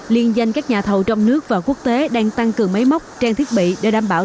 liên danh các nhà thầu trong nước và quốc tế đang tăng cường máy móc trang thiết bị để đảm bảo